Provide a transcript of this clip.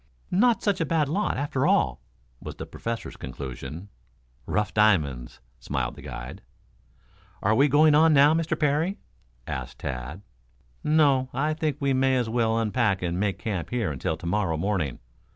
"Not such a bad lot, after all," was the Professor's conclusion. "Rough diamonds," smiled the guide. "Are we going on now, Mr. Parry?" asked Tad. "No; I think we may as well unpack and make camp here until to morrow morning.